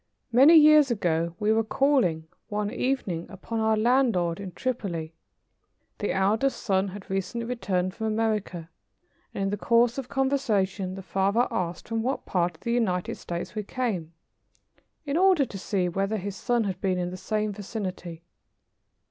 Many years ago we were calling, one evening, upon our landlord in Tripoli. The eldest son had recently returned from America, and in the course of conversation the father asked from what part of the United States we came, in order to see whether his son had been in the same vicinity.